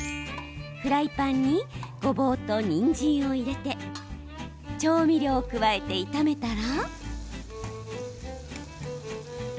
フライパンにごぼうと、にんじんを入れて調味料を加えて炒めたら。